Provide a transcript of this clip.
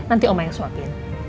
nanti oma yang suapin